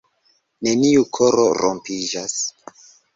neniu koro rompiĝas